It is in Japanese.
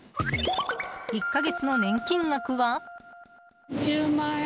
１か月の年金額は。